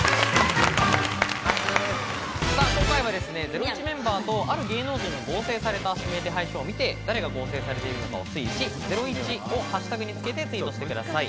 今回はですね、『ゼロイチ』メンバーとある芸能人が合成された指名手配書を見て、誰が合成されているのかを推理し、『ゼロイチ』をハッシュタグにつけてツイートしてください。